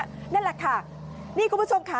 นั่นแหละค่ะนี่คุณผู้ชมค่ะ